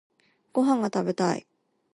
ご飯が食べたい